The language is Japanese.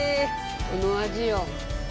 この味よ。